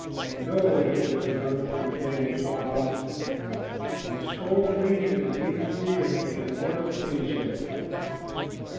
"No," answered the girl, whose name was Hah hah. "He scolds me and beats me, and I can never please him."